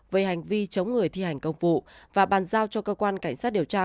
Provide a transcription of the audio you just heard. về hành vi chống người thi hành công vụ và bàn giao cho cơ quan cảnh sát điều tra